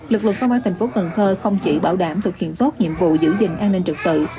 lực lượng công an tp cn không chỉ bảo đảm thực hiện tốt nhiệm vụ giữ gìn an ninh trực tự